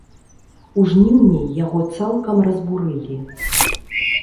У жніўні яго цалкам разбурылі.